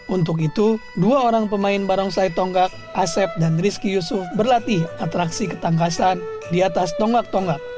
untuk itu dua orang pemain barongsai tonggak asep dan rizky yusuf berlatih atraksi ketangkasan di atas tonggak tonggak